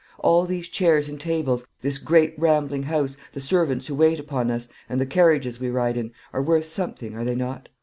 All these chairs and tables, this great rambling house, the servants who wait upon us, and the carriages we ride in, are worth something, are they not?